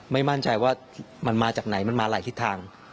ไม่มั่นใจว่ามันมาจากไหนมันมาหลายทิศทาง